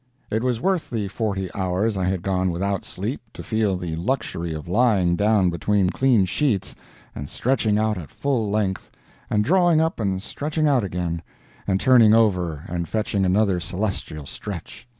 It was worth the forty hours I had gone without sleep to feel the luxury of lying down between clean sheets and stretching out at full length—and drawing up and stretching out again—and turning over and fetching another celestial stretch.